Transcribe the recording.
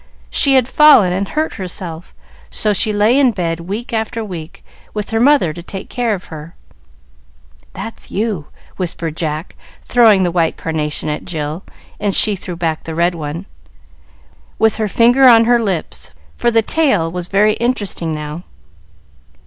She had fallen and hurt herself, so she lay in bed week after week, with her mother to take care of her " "That's you," whispered Jack, throwing the white carnation at Jill, and she threw back the red one, with her finger on her lips, for the tale was very interesting now.